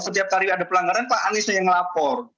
setiap hari ada pelanggaran pak hanis itu yang melapor